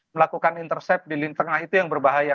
melakukan intercept di lini tengah itu yang berbahaya